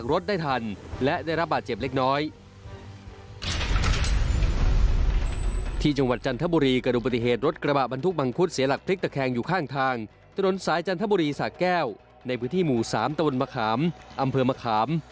รถเสียหลักพลิกตะแคงอยู่ข้างทางตะโรนสายจันทบุรีสากแก้วในพื้นที่หมู่๓ตะวนมะขามอำเภอมะขาม